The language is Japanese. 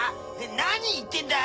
何言ってんだよ？